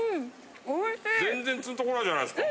全然ツンとこないじゃないですか。